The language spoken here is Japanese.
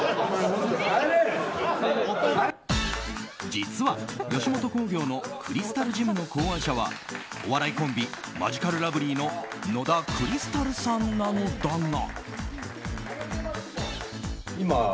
実は、吉本興業のクリスタルジムの考案者はお笑いコンビマヂカルラブリーの野田クリスタルさんなのだが。